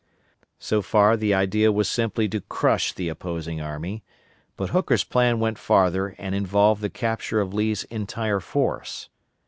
So far the idea was simply to crush the opposing army, but Hooker's plan went farther and involved the capture of Lee's entire force.